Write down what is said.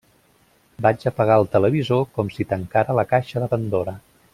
Vaig apagar el televisor com si tancara la caixa de Pandora.